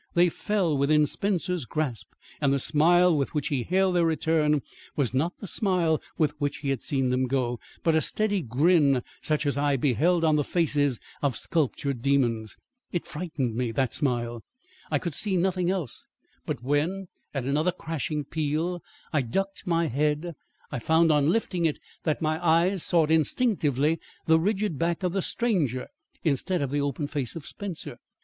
They fell within Spencer's grasp, and the smile with which he hailed their return was not the smile with which he had seen them go, but a steady grin such as I had beheld on the faces of sculptured demons. It frightened me, this smile. I could see nothing else; but, when at another crashing peal I ducked my head, I found on lifting it that my eyes sought instinctively the rigid back of the stranger instead of the open face of Spencer.